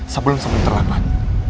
sebelum sebelum terlambat